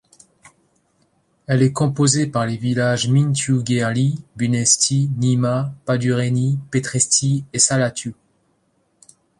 Elle est composée par les villages Mințiu Gherlii, Bunești, Nima, Pădurenii, Petrești et Salatiu.